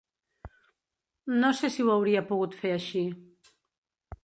No sé si ho hauria pogut fer així.